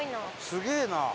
すげえな。